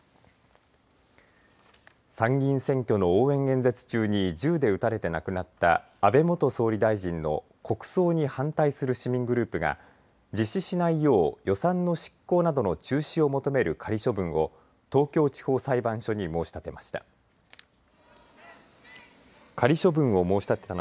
参議院選挙の応援演説中に銃で撃たれて亡くなった安倍元総理大臣の国葬に反対する市民グループが実施しないよう予算の執行などの中止を求める仮処分を東京地方裁判所に申し立てました。